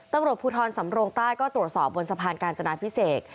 ตำรวจภูทรสำรงใต้ก็ตรวจสอบบนสะพานกาญจนาพิเศษ